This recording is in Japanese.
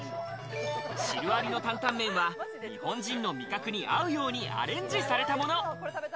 汁ありの担々麺は、日本人の味覚に合うようにアレンジされたもの。